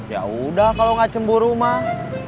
yaudah kalo gak cemburu mah